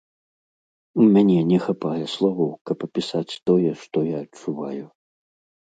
У мяне не хапае словаў, каб апісаць тое, што я адчуваю.